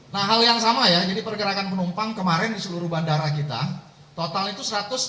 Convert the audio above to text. nah hal yang sama ya jadi pergerakan penumpang kemarin di seluruh bandara kita total itu satu ratus dua puluh